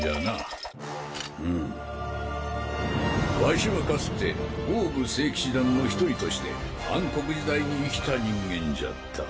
ワシはかつて桜舞星騎士団の一人として暗黒時代に生きた人間じゃった。